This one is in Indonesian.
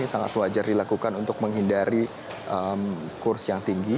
sangat wajar dilakukan untuk menghindari kurs yang tinggi